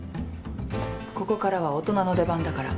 ここからは大人の出番だから。